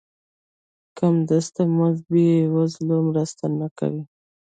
کم دست مزد بې وزلو مرسته نه کوي.